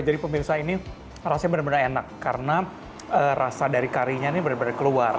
pemirsa ini rasanya benar benar enak karena rasa dari karinya ini benar benar keluar